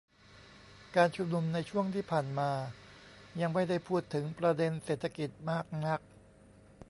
การชุมนุมในช่วงที่ผ่านมายังไม่ได้พูดถึงประเด็นเศรษฐกิจมากนัก